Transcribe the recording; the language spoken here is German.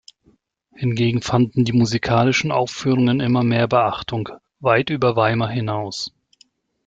Hingegen fanden die musikalischen Aufführungen immer mehr Beachtung, weit über Weimar hinaus.